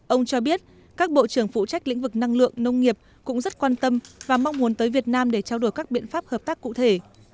ông cho biết các bộ trưởng phụ trách lĩnh vực năng lượng nông nghiệp cũng rất quan tâm và mong muốn tới việt nam để trao đổi các biện pháp hợp tác cụ thể